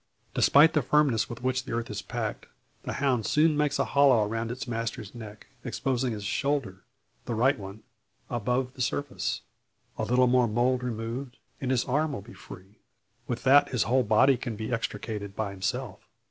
Despite the firmness with which the earth is packed, the hound soon makes a hollow around its master's neck, exposing his shoulder the right one above the surface. A little more mould removed, and his arm will be free. With that his whole body can be extricated by himself.